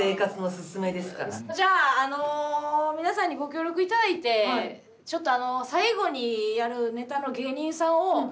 じゃああの皆さんにご協力頂いてちょっとあのおお！